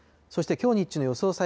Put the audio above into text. そしてきょう日中の予想